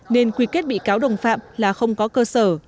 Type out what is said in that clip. nên quy kết bị cáo đồng phạm là không có cơ sở